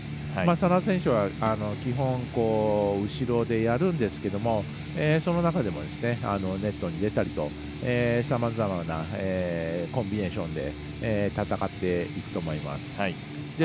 眞田選手は基本後ろでやるんですけれどもその中でもネットに出たりとさまざまなコンビネーションで戦っていくと思います。